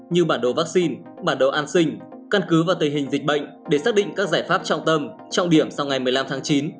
như bản đồ vaccine bản đồ an sinh căn cứ vào tình hình dịch bệnh để xác định các giải pháp trọng tâm trọng điểm sau ngày một mươi năm tháng chín